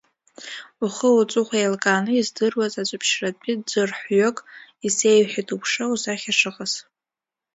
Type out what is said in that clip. Ухы уҵыхәа еилкааны издыруаз Аҵәаԥшьратәи ӡырҳәҩык исеиҳәеит уԥшра-усахьа шыҟаз.